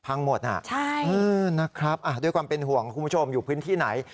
หมดนะครับด้วยความเป็นห่วงคุณผู้ชมอยู่พื้นที่ไหน